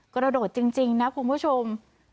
กระโดดจริงนะคุณผู้ชม